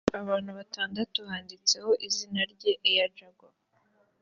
abantu batandatu yanditseho izina rye (Air Jaguar)